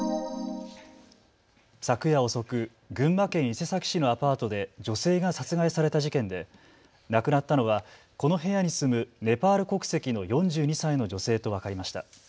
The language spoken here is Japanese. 昨夜遅く群馬県伊勢崎市のアパートで女性が殺害された事件で亡くなったのはこの部屋に住むネパール国籍の４２歳の女性と分かりました。